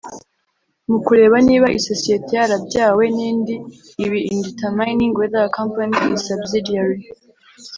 Mu kureba niba isosiyete yarabyawe n indi ibi In determining whether a company is a subsidiary